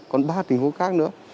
còn ba tình huống khác nữa